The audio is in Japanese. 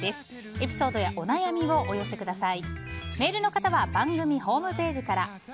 エピソードやお悩みをお寄せください。